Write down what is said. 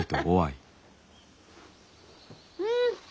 うん！